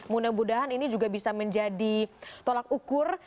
mudah mudahan ini juga bisa menjadi tolak ukur